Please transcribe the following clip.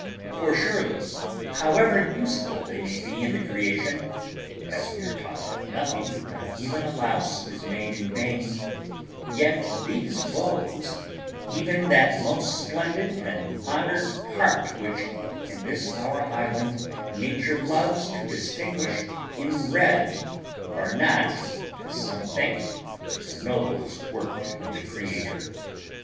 For surely, however useful they may be in the creation, as we are taught that nothing, not even a louse, is made in vain, yet these beaus, even that most splendid and honoured part which in this our island nature loves to distinguish in red, are not, as some think, the noblest work of the Creator.